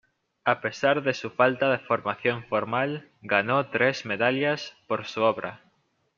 A pesar de su falta de formación formal, ganó tres medallas por su obra.